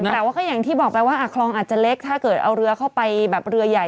แต่ว่าก็อย่างที่บอกไปว่าคลองอาจจะเล็กถ้าเกิดเอาเรือเข้าไปแบบเรือใหญ่